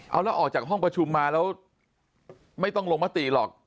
เอาแล้วออกจากห้องประชุมมาแล้วไม่ต้องลงมติหรอก